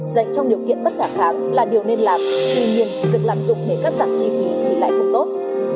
dạy trong điều kiện bất khả kháng là điều nên làm tuy nhiên được làm dùng để cắt giảm trị phí thì lại không tốt